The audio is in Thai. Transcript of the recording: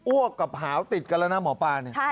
วกกับหาวติดกันแล้วนะหมอปลาเนี่ย